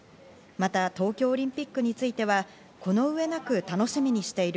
また東京オリンピックについては、この上なく楽しみにしている。